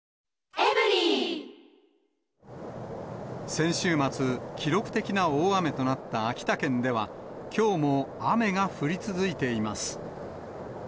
先週末、記録的な大雨となった秋田県では、きょうも雨が降り続いています。